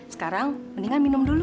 sekarang mendingan minum dulu